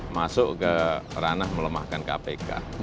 masuk ke ranah melemahkan kpk